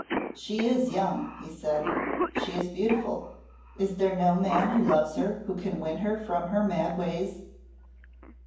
"She is young," he said, "she is beautiful. Is there no man who loves her who can win her from her mad ways?"